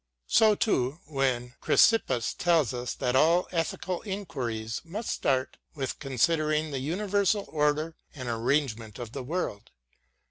So too when Chrysippus tells us that all ethical enquiries must start with considering the universal order and arrangement of the world